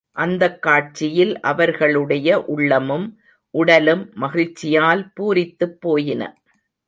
அந்தக் காட்சியில் அவர்களுடைய உள்ளமும், உடலும் மகிழ்ச்சியால் பூரித்துப் போயின.